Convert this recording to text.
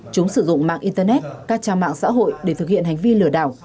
chúng sử dụng mạng internet các trang mạng xã hội để thực hiện hành vi lừa đảo